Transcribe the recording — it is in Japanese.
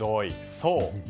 そう。